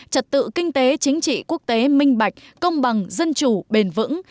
trật tự kinh tế chính trị quốc tế minh bạch công bằng dân chủ bền vững